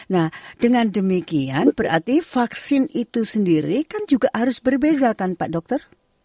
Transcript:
nah dengan demikian berarti vaksin itu sendiri kan juga harus berbeda kan pak dokter